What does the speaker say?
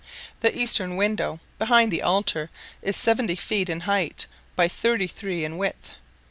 The eastern window, behind the altar, is seventy feet in height by thirty three in width.